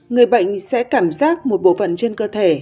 người bệnh sẽ cảm giác một bộ phận trên cơ thể